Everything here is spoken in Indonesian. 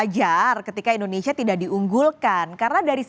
jika sekarang semua itu pun berceria